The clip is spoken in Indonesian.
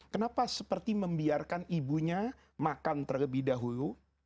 kenapa seperti membiarkan ibunya makan terlebih dahulu